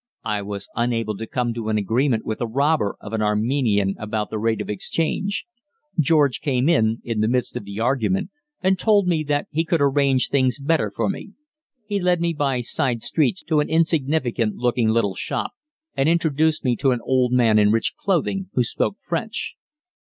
I was unable to come to an agreement with a robber of an Armenian about the rate of exchange. George came in, in the midst of the argument, and told me that he could arrange things better for me. He led me by side streets to an insignificant looking little shop and introduced me to an old man in rich clothing, who spoke French.